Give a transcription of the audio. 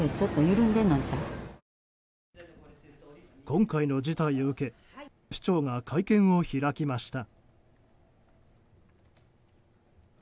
今回の事態を受け市長が会見を開きました。